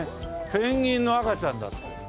ペンギンの赤ちゃんだって。